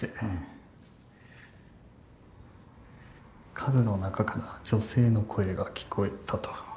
家具の中から女性の声が聞こえたと。